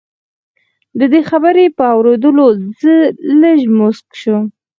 د دې خبرې په اورېدو زه لږ موسک شوم